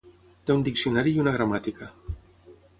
Té un diccionari i una gramàtica.